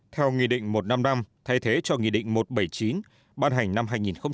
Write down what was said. theo nghị định một năm năm thay thế cho nghị định một trăm bảy mươi chín ban hành năm hai nghìn một mươi ba